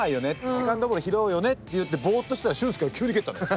セカンドボール拾うよねっていってボーッとしてたら俊輔が急に蹴ったのよ。